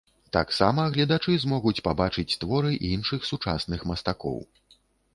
Таксама гледачы змогуць пабачыць творы іншых сучасных мастакоў.